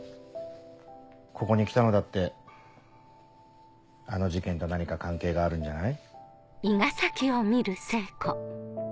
ここに来たのだってあの事件と何か関係があるんじゃない？